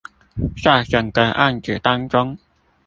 在整個案子當中